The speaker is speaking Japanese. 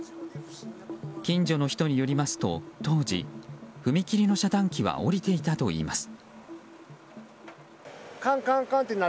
近所の人によりますと当時、踏切の遮断機は下りていたといいます。